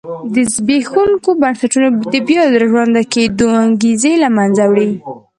د زبېښونکو بنسټونو د بیا را ژوندي کېدو انګېزې له منځه وړي.